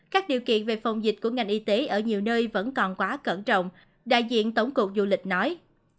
các điều kiện về phòng dịch của ngành y tế ở nhiều nơi vẫn còn quá cẩn trọng đại diện tổng cục du lịch nói